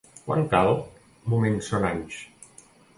Quan cal, moments són anys.